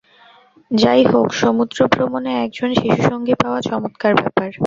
যাই হউক, সমুদ্র ভ্রমণে একজন শিশুসঙ্গী পাওয়া চমৎকার ব্যাপার।